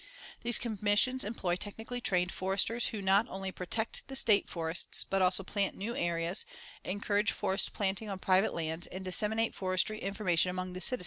These Commissions employ technically trained foresters who not only protect the State forests, but also plant new areas, encourage forest planting on private lands and disseminate forestry information among the citizens.